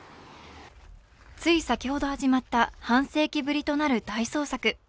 つい先ほど始まった半世紀ぶりとなる大捜索